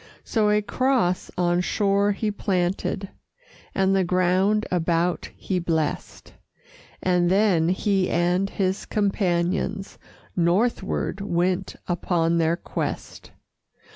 So a cross on shore he planted, And the ground about he blessed, And then he and his companions Northward went upon their quest.